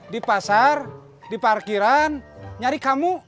di pasar di parkiran nyari kamu